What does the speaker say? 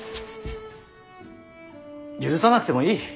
許さなくてもいい。